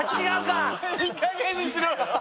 いいかげんにしろよ！